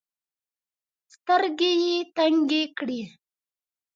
سترګي یې تنګي کړې .